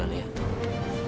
senang sekali orang jelas